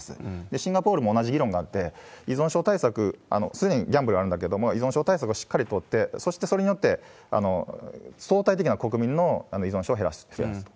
シンガポールも同じ議論があって、依存症対策、すでにギャンブルあるんだけれども、依存症対策しっかり取って、そしてそれによって、相対的な国民の依存症を減らすと。